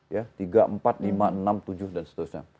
ya tiga empat lima enam tujuh dan seterusnya